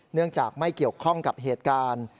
เนื่องจากไม่เกี่ยวข้องกับเหตุการณ์